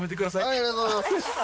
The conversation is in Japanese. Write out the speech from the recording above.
ありがとうございます。